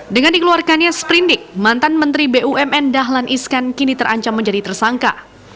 dengan dikeluarkannya sprindik mantan menteri bumn dahlan iskan kini terancam menjadi tersangka